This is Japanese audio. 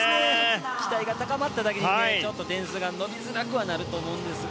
期待が高まっただけにちょっと点数が伸びづらくはなると思うんですが。